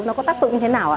nó có tác dụng như thế nào ạ